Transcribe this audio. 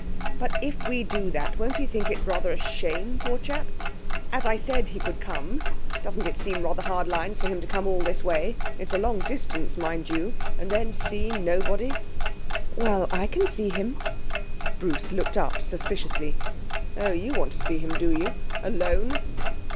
'But, if we do that, won't he think it rather a shame, poor chap? As I said he could come, doesn't it seem rather hard lines for him to come all this way it is a long distance, mind you and then see nobody?' 'Well, I can see him.' Bruce looked up suspiciously. 'Oh, you want to see him, do you? Alone?'